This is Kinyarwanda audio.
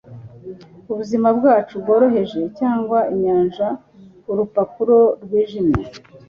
ubuzima bwacu bworoheje cyangwa inyanja urupapuro rwijimye